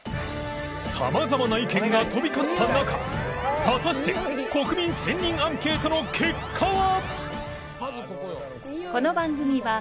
様々な意見が飛び交った中果たして国民１０００人アンケートの結果は？